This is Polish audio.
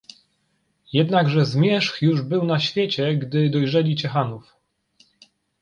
"Jednakże zmierzch już był na świecie, gdy dojrzeli Ciechanów."